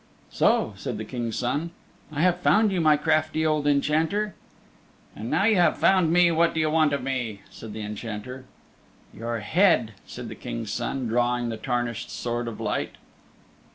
"So," said the King's Son, "I have found you, my crafty old Enchanter." "And now that you have found me, what do you want of me?" said the Enchanter. "Your head," said the King's Son, drawing the tarnished Sword of Light.